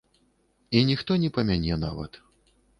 І ніхто не памяне нават.